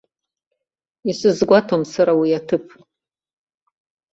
Исызгәаҭом сара уи аҭыԥ.